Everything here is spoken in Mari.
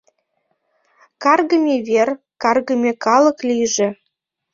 Каргыме вер, каргыме калык лийже!